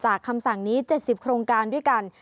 คำสั่งนี้๗๐โครงการด้วยกัน